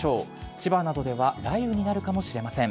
千葉などでは雷雨になるかもしれません。